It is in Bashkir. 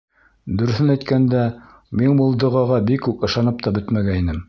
Дөрөҫөн әйткәндә, мин был доғаға бик үк ышанып та бөтмәгәйнем.